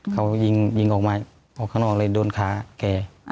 เขายิงออกมาออกข้างนอกเลยโดนขาแก